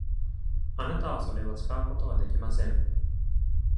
あなたはそれを使うことはできません。